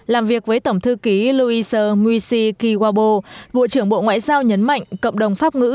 làm việc với tổng thư ký louiser muisi kiwabo bộ trưởng bộ ngoại giao nhấn mạnh cộng đồng pháp ngữ